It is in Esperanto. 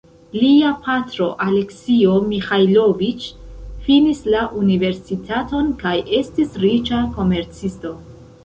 Lia patro "Aleksio Miĥajloviĉ" finis la universitaton kaj estis riĉa komercisto.